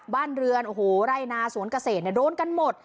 บ้านเรือนรายนาสวนเกษตรโดนกันหมด